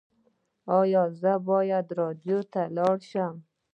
ایا زه باید راډیو ته لاړ شم؟